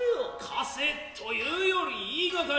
貸せというより言いがかり。